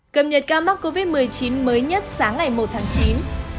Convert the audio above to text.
cập nhật ca mắc covid một mươi chín mới nhất sáng ngày một tháng chín